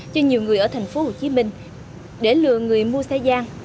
cho nhiều người ở tp hcm để lựa người mua xe gian